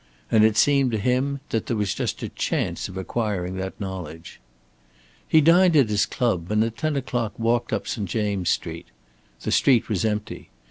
And it seemed to him that there was just a chance of acquiring that knowledge. He dined at his club, and at ten o'clock walked up St. James' Street. The street was empty.